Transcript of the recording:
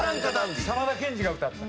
沢田研二が歌った。